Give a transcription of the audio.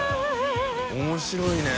面白いね。